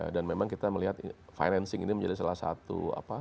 dan memang kita melihat financing ini menjadi salah satu